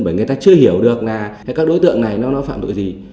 bởi người ta chưa hiểu được là các đối tượng này nó phạm tội gì